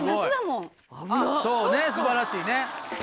そうね素晴らしいね。